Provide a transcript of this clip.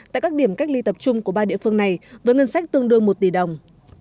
tại các điểm cách ly tập trung của ba địa phương này với ngân sách tương đương một tỷ đồng